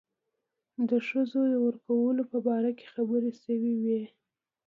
د ښځو د ورکولو په باره کې خبرې شوې وې.